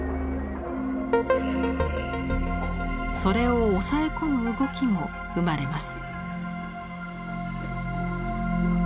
それを抑え込む動きも生まれます。